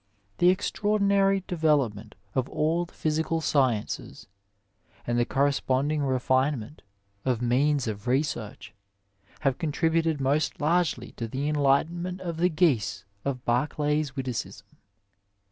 The extraordinary development of all the physical sciences, and the corresponding refinement of means of research, have contributed most largely to the enlightenment of the " geese " of Barclay's witticism.